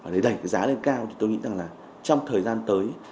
để đẩy giá lên cao tôi nghĩ rằng trong thời gian tới